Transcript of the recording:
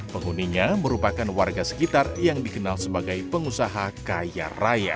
penghuninya merupakan warga sekitar yang dikenal sebagai pengusaha kaya raya